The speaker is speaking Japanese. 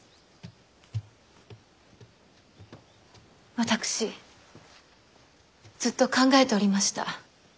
私ずっと考えておりました。